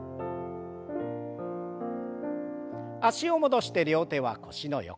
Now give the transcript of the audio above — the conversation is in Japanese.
脚を戻して両手は腰の横。